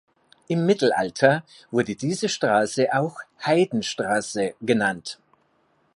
Im Mittelalter wurde diese Straße auch "Heidenstraße" genannt.